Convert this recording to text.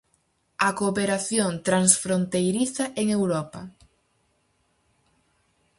A Cooperación Transfronteiriza en Europa.